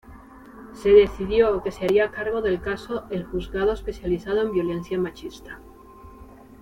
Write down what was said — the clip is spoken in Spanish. Se decidió que se haría cargo del caso el juzgado especializado en violencia machista.